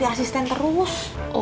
mama cari asisten terus